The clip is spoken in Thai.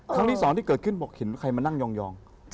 ครั้งที่สองที่เกิดขึ้นบอกเห็นใครมานั่งยอง